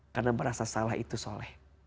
karena merasa salah itu soleh